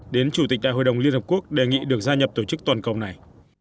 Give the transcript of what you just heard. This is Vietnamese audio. đến chủ tịch đại hội đồng liên hợp quốc đề nghị được gia nhập tổ chức toàn cầu này